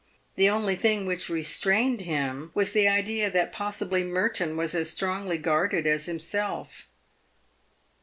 The only thing which restrained him was the idea that possibly Merton was as strongly guarded as himself.